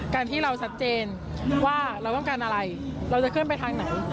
การที่เราชัดเจนว่าเราต้องการอะไรเราจะขึ้นไปทางไหน